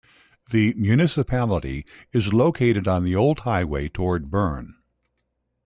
The municipality is located on the old highway toward Bern.